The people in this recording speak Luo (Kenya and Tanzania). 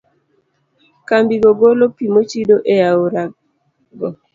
Kambigo golo pi mochido e aorego.